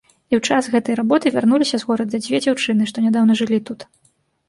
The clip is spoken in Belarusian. І ў час гэтай работы вярнуліся з горада дзве дзяўчыны, што нядаўна жылі тут.